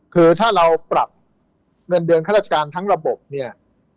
คือถ้าเราปรับเงินเดือนข้าราชการทั้งระบบเนี่ย